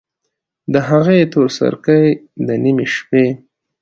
د هغې تورسرکي، د نیمې شپې